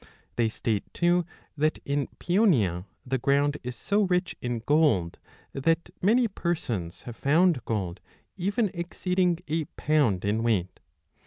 2 They state, too, that in Paeonia the ground is so rich in gold that many persons 10 have found gold even exceeding a pound in weight.